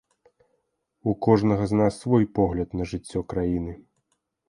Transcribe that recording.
У кожнага з нас свой погляд на жыццё краіны.